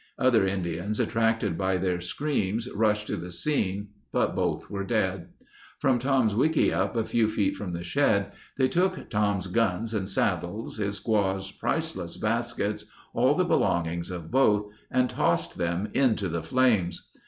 Other Indians attracted by their screams rushed to the scene but both were dead. From Tom's wickiup, a few feet from the shed, they took Tom's guns and saddles, his squaw's priceless baskets—all the belongings of both—and tossed them into the flames.